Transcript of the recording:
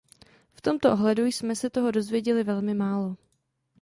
V tomto ohledu jsme se toho dozvěděli velmi málo.